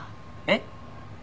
えっ？